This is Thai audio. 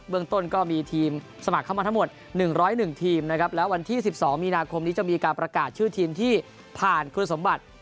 เมืองต้นก็มีทีมสมัครเข้ามาทั้งหมด๑๐๑ทีมนะครับแล้ววันที่๑๒มีนาคมนี้จะมีการประกาศชื่อทีมที่ผ่านคุณสมบัติ